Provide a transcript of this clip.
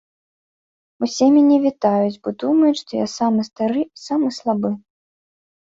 Усе мяне вітаюць, бо думаюць, што я самы стары і самы слабы.